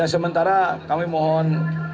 ya sementara kami mohon